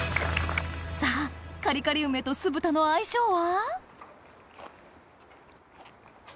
さぁカリカリ梅と酢豚の相性は？